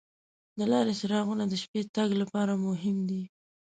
د لارې څراغونه د شپې تګ لپاره مهم دي.